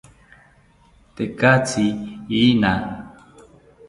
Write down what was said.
Tekatzi iina